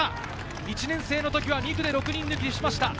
１年生の時は２区で６人抜きしました。